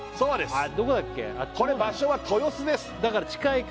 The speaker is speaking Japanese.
はい